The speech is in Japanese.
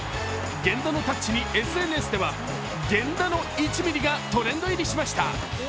源田のタッチにＳＮＳでは源田の１ミリがトレンド入りしました。